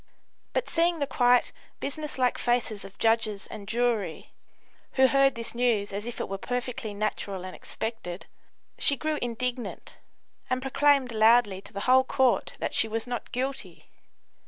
But seeing the quiet, business like faces of judges and jury, who heard this news as if it were perfectly natural and expected, she grew indignant, and proclaimed loudly to the whole Court that she was not guilty.